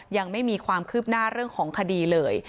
ยังไม่มีความคืบหน้าเรื่องของคดีเลย